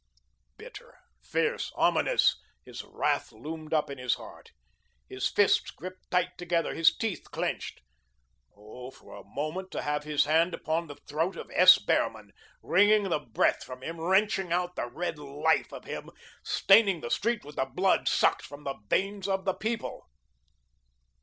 Bitter, fierce, ominous, his wrath loomed up in his heart. His fists gripped tight together, his teeth clenched. Oh, for a moment to have his hand upon the throat of S. Behrman, wringing the breath from him, wrenching out the red life of him staining the street with the blood sucked from the veins of the People!